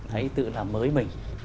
hãy tự làm mới mình